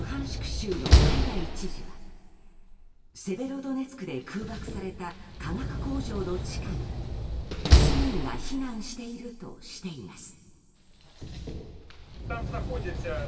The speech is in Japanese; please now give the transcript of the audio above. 州のハイダイ知事はセベロドネツクで空爆された化学工場の地下に、市民が避難しているとしています。